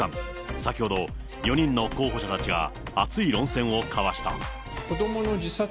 先ほど、４人の候補者たちが熱い論戦を交わした。